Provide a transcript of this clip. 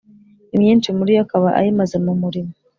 imyinshi muri yo akaba ayimaze mu murimo